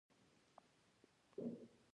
تربوز څنګه پیژندل کیږي؟